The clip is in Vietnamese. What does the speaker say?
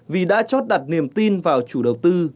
vì đã chốt đặt niềm tin vào chủ đầu tư